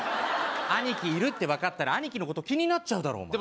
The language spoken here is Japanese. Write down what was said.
兄貴いるって分かったら兄貴のこと気になっちゃうだろで